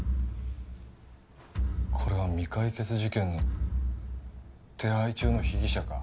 これは未解決事件の手配中の被疑者か？